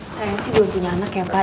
saya sih belum punya anak ya pak